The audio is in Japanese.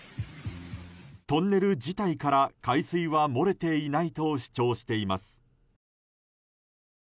トンネル自体から海水は漏れていないと主張しています。